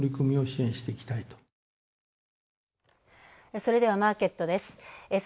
それでは、マーケットです。